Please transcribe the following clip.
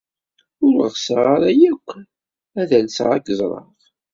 Ur ɣseɣ ara akk ad alseɣ ad k-ẓreɣ.